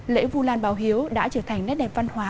lễ vu lan báo hiếu đã trở thành nét đẹp văn hóa